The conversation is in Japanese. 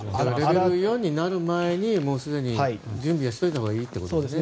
レベル４になる前にすでに準備しておいたほうがいいということですね。